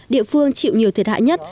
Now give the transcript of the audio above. địa phương chịu nhiều thiệt hại nhất